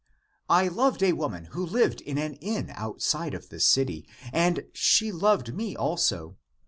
I loved a wo man who lived in an inn outside of the city, and she loved me also.